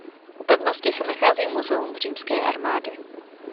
U pevnosti se nachází Muzeum římské armády.